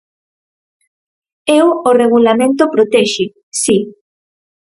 Eu o Regulamento protexe, si.